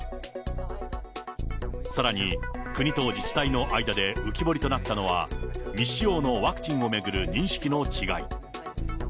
さらに、国と自治体の間で浮き彫りとなったのは、未使用のワクチンを巡る認識の違い。